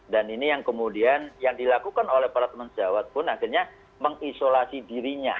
dan ini yang kemudian yang dilakukan oleh para teman sejawat pun akhirnya mengisolasi dirinya